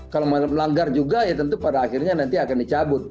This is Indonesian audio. kalau melanggar juga ya tentu pada akhirnya nanti akan dicabut